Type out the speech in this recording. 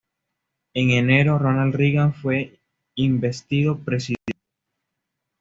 En enero, Ronald Reagan fue investido presidente.